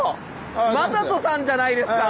魔裟斗さんじゃないですか！